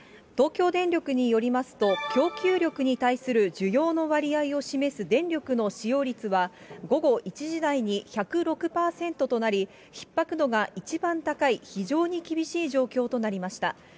東京電力によりますと、供給力に対する需要の割合を示す電力の使用率は、午後１時台に１０６％となり、ひっ迫度が一番高い非常に厳しい状況となりました。